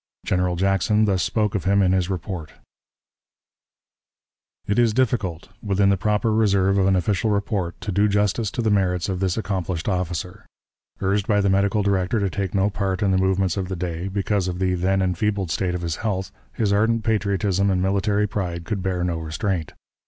General Jackson thus spoke of him in his report: "It is difficult, within the proper reserve of an official report, to do justice to the merits of this accomplished officer. Urged by the medical director to take no part in the movements of the day, because of the then enfeebled state of his health, his ardent patriotism and military pride could bear no restraint.